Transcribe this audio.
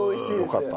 よかった。